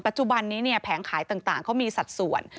ปัจจุบันนี้เนี่ยแผงขายต่างเค้ามีสัดส่วน